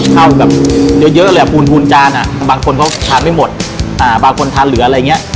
แบบเยอะเยอะเลยปูนพูนจานอ่ะบางคนเขาทานไม่หมดบางคนทานเหลืออะไรอย่างเงี้ย